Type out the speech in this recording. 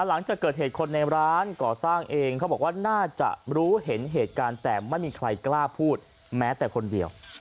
หลังจากเกิดเหตุคนในร้านก่อสร้างเองเขาบอกว่าน่าจะรู้เห็นเหตุการณ์แต่ไม่มีใครกล้าพูดแม้แต่คนเดียว